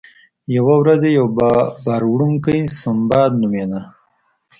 یوه ورځ یو بار وړونکی سنباد نومیده.